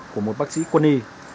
của một bác sĩ quân y